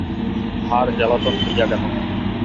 হাড় জ্বালাতন হইয়া গেল।